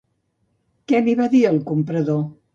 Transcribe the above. Què li va dir el comprador?